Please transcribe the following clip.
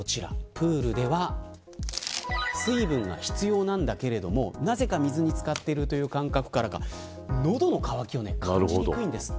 プールでは水分が必要なんだけどなぜか、水に漬かっているという感覚からか喉の渇きを感じにくいんです。